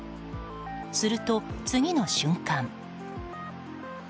すると、次の瞬間。